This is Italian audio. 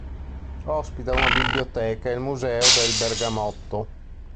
Ospita una biblioteca e il Museo del Bergamotto.